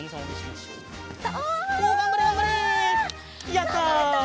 やった！